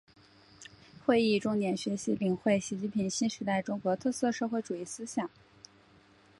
会议重点学习领会习近平新时代中国特色社会主义思想